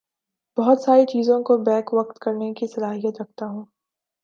بہت ساری چیزوں کو بیک وقت کرنے کی صلاحیت رکھتا ہوں